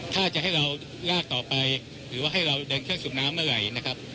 ถ้าจะให้เราลากต่อไปหรือว่าให้เราเดินเครื่องสูบน้ำเมื่อไหร่นะครับ